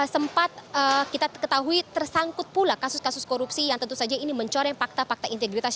sempat kita ketahui tersangkut pula kasus kasus korupsi yang tentu saja ini mencoreng fakta fakta integritas